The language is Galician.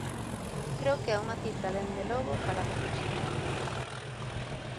Creo que é unha cifra, dende logo, para reflexionar.